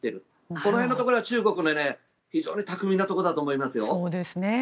この辺のところは中国の巧みなところだと思います。